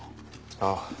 ああ。